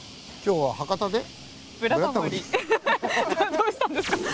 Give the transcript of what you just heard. どどうしたんですか？